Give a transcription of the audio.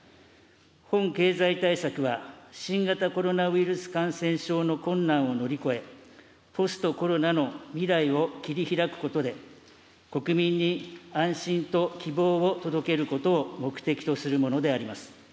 本経済対策は、新型コロナウイルス感染症の困難を乗り越え、ポストコロナの未来を切りひらくことで、国民に安心と希望を届けることを目的とするものであります。